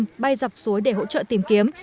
ngay dọc suối để hỗ trợ tìm kiếm